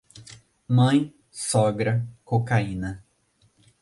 Mãe, sogra, cocaína.